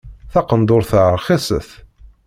Taqendurt-a rxiset.